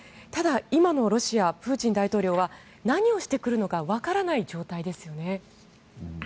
ただ、今のロシアプーチン大統領は何をしてくるのかわからない状態ですよね。